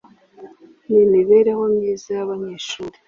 n imibereho myiza y abanyeshuri